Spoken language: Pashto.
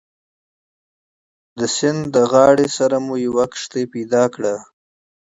د سیند غاړې سره مو یوه کښتۍ پیدا کړه.